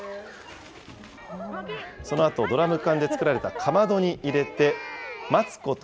そのあとドラム缶で作られたかまどに入れて、待つこと